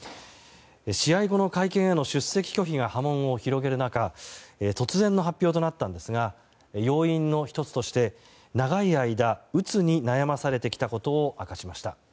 試合後の会見への出席拒否が波紋を広げる中突然の発表となったんですが要因の１つとして長い間うつに悩まされてきたことを明かしました。